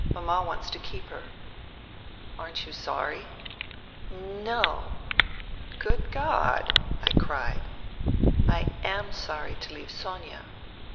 Mama wants to keep her." " Aren't you sorry ?"" No." " Good God !" I cried. " I am sorry to leave Sonia."